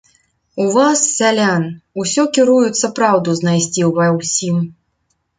У вас, сялян, усё кіруюцца праўду знайсці ўва ўсім.